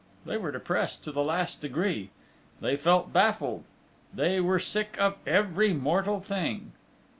They were depressed to the last degree; they felt baffled: they were sick of every mortal thing!